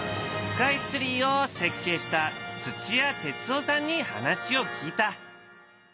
スカイツリーを設計した土屋哲夫さんに話を聞いた。